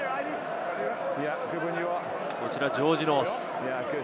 こちらジョージ・ノース。